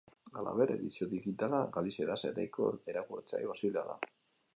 Halaber, edizio digitala galizieraz ere irakurtzea posiblea da.